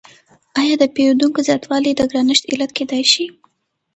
آیا د پیرودونکو زیاتوالی د ګرانښت علت کیدای شي؟